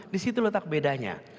di situ letak bedanya